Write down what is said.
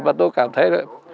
và tôi cảm thấy